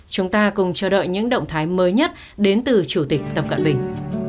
chúng ta cùng chờ đợi những động thái mới nhất đến từ chủ tịch tập cận bình